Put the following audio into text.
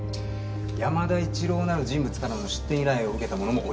山田一郎なる人物からの出店依頼を受けた者もおりません。